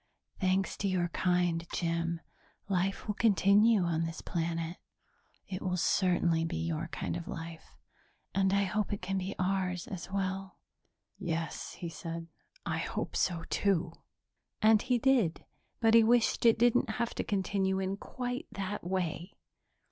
Thanks to your kind, Jim, life will continue on this planet; it will certainly be your kind of life and I hope it can be ours as well." "Yes," he said. "I hope so, too." And he did, but he wished it didn't have to continue in quite that way.